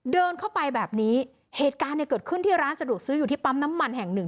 เดินเข้าไปแบบนี้เหตุการณ์เนี่ยเกิดขึ้นที่ร้านสะดวกซื้ออยู่ที่ปั๊มน้ำมันแห่งหนึ่ง